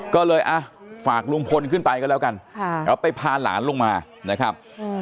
ก็เลยฝากลุงพลขึ้นไปก็แล้วกันแล้วไปพาหลานลงมานะครับ